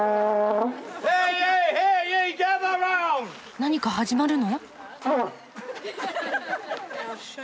何か始まるの？